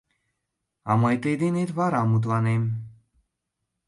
А мый тый денет вара мутланем!..